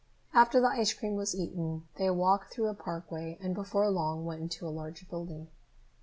After the ice cream was eaten, they walked through a parkway and before long went into a large building.